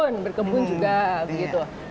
ya berkebun juga gitu